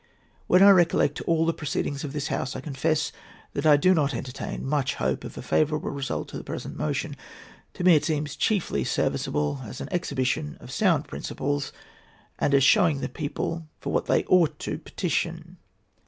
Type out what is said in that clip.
When I recollect all the proceedings of this House, I confess that I do not entertain much hope of a favourable result to the present motion. To me it seems chiefly serviceable as an exhibition of sound principles, and as showing the people for what they ought to petition.